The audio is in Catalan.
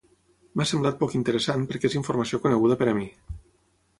M'ha semblat poc interessant perquè és informació coneguda per a mi.